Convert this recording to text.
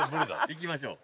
行きましょう。